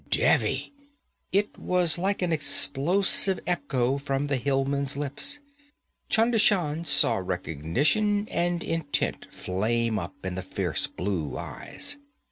'Devi!' It was like an explosive echo from the hillman's lips. Chunder Shan saw recognition and intent flame up in the fierce blue eyes.